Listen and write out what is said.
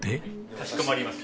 かしこまりました。